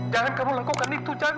jangan kamu lengkapkan itu jangan